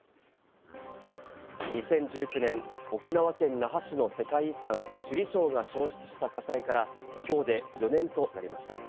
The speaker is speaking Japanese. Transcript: ２０１９年、沖縄県那覇市の世界遺産・首里城が焼失した火災からきょうで４年となりました。